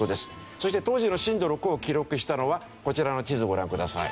そして当時の震度６を記録したのはこちらの地図をご覧ください。